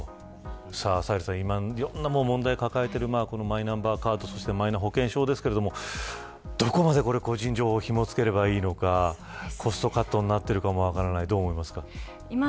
いろんな問題を抱えているマイナンバーカードとマイナ保険証ですがどこまで個人情報をひも付ければいいのかコストカットになってるかも分からないどうですか。